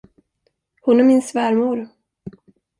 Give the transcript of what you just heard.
Hon är min svärmor.